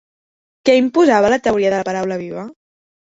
Què imposava la teoria de la paraula viva?